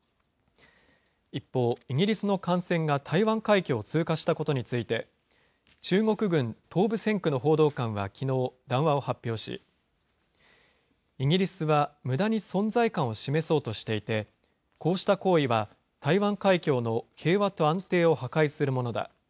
一方、イギリスの艦船が台湾海峡を通過したことについて、中国軍東部戦区の報道官はきのう、談話を発表し、イギリスはむだに存在感を示そうとしていて、こうした行為は、台湾海峡の平和と安定を破壊するものだ。